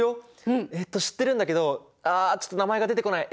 えっと知ってるんだけどあちょっと名前が出てこない。